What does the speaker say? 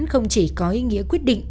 không chỉ có ý nghĩa quyết định